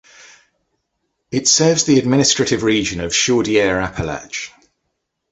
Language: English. It serves the administrative region of Chaudière-Appalaches.